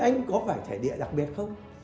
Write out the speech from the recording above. anh có phải trải địa đặc biệt không